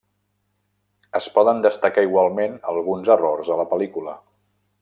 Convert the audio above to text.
Es poden destacar igualment alguns errors a la pel·lícula.